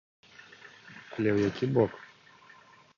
Але ў які бок?